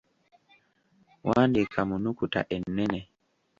Wandiika mu nnukuta ennene.